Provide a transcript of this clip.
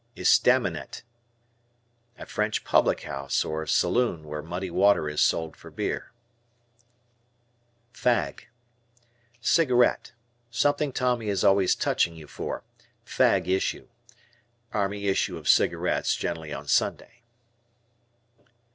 "Estaminet." A French public house, or saloon, where muddy water is sold for beer. F Fag. Cigarette. Something Tommy is always touching you for, "Fag issue." Army issue of cigarettes, generally on Sunday.